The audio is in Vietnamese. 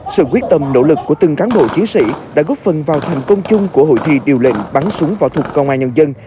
sự quyết tâm nỗ lực của từng cán bộ chiến sĩ đã góp phần vào thành công chung của hội thi điều lệnh bắn súng võ thuật công an nhân dân